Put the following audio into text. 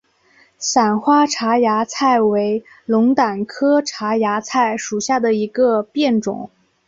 伞花獐牙菜为龙胆科獐牙菜属下的一个变种。